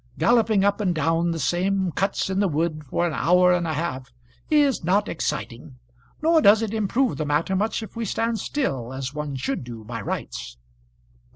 Galloping up and down the same cuts in the wood for an hour and a half is not exciting; nor does it improve the matter much if we stand still, as one should do by rights."